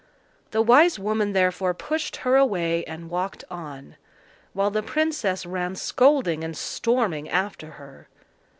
The wise woman therefore pushed her away, and walked on; while the princess ran scolding and storming after her.